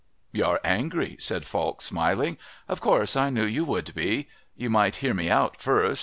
"You're angry," said Falk, smiling. "Of course I knew you would be. You might hear me out first.